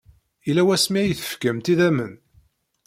Yella wasmi ay tefkamt idammen?